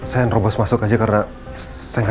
sayang robos masuk aja karena